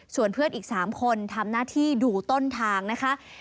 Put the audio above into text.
ส่วนเพื่อนอีก๓คนทำหน้าที่ดูต้นทางนะคะ